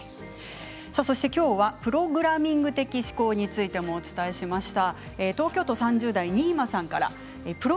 きょうはプログラミング的思考についてもお伝えしました。